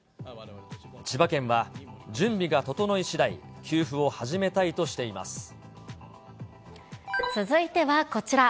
千葉県は、準備が整いしだい、続いてはこちら。